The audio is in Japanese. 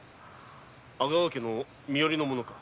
阿川家の身寄りの者か？